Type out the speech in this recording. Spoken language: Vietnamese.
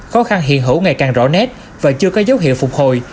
khó khăn hiện hữu ngày càng rõ nét và chưa có dấu hiệu phục hồi